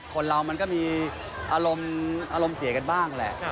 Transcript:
คนเรามันก็มีอารมณ์อารมณ์เสียกันบ้างแหละ